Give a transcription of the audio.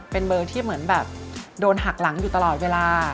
เป็นเบอร์ที่เหมือนแบบโดนหักหลังอยู่ตลอดเวลา